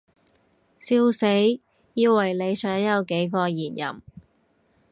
笑死，以為你想有幾個現任